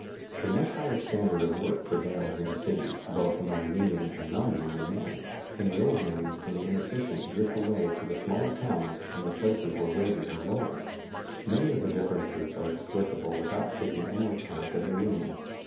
A much higher standard of work prevails in the cities, both among union and non union men, and the old men and the inefficient drift away to the smaller towns and the places where wages are lower. Many of the differences are explicable without taking any account of the union.